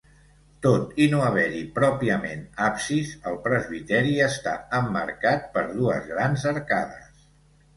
Tot i no haver-hi pròpiament absis, el presbiteri està emmarcat per dues grans arcades.